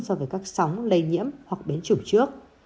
so với các sóng lây nhiễm hoặc biến chủng trước